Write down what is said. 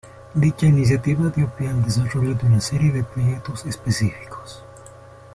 Dicha iniciativa dio pie al desarrollo de una serie de proyectos específicos.